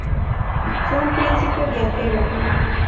Fue un príncipe viajero.